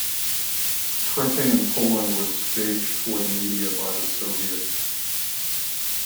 Printing in Poland was staged for the media by the Soviets.